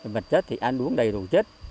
vật chất thì ăn uống đầy đủ chất